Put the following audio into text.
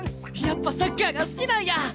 やっぱサッカーが好きなんや！